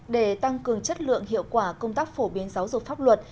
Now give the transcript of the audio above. để tăng cường chất lượng hiệu quả công tác phổ biến giáo dục pháp luật